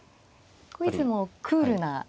いつもクールな。